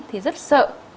thì rất sợ